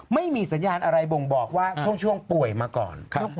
ไม่มีสัญญาณอะไรบ่งบอกว่าช่วงป่วยมาก่อน